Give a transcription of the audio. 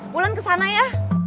wulan kesana ya